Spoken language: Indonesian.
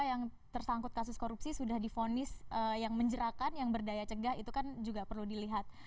yang tersangkut kasus korupsi sudah difonis yang menjerakan yang berdaya cegah itu kan juga perlu dilihat